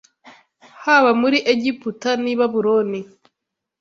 haba muri Egiputa n’i Babuloni